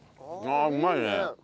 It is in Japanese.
あうまいね。